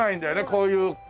こういう。